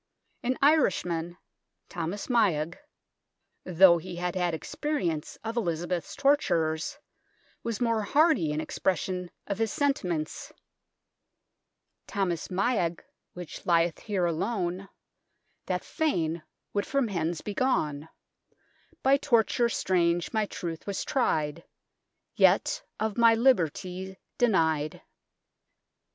An Irishman, Thomas Miagh, though he had had experience of Elizabeth's torturers, was more hearty in expression of his senti ments :" Tomas Miagh whiche lieth here alon That fayne would from hens be gon By tortyre straynge mi troyth was tryed Yet of my libertie denyed."